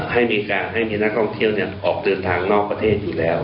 ให้มีการให้มีนักท่องเที่ยวออกเดินทางนอกประเทศอยู่แล้ว